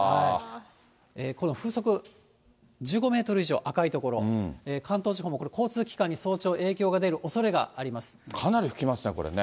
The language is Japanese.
この風速１５メートル以上、赤い所、関東地方もこれ、交通機関に早朝、影響が出るおそれがあかなり吹きますね、これね。